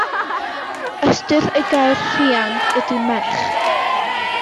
Ystyr y gair rhiain ydy merch.